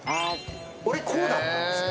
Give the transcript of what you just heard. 俺こうだったんですよ。